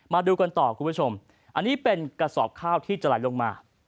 มาดูกันต่อคุณผู้ชมอันนี้เป็นกระสอบข้าวที่จะไหลลงมา